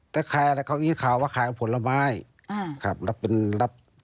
แต่ขายอะไรเขาอี้ข่าวว่าขายผลไม้อ่าครับรับเป็นรับ